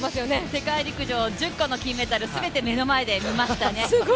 世界陸上１０個の金メダル、全て目の前で見ましたね。